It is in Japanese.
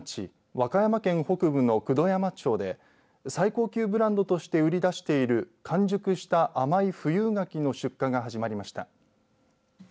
和歌山県北部の九度山町で最高級ブランドとして売り出している完熟した甘い富有柿の出荷が始まりました。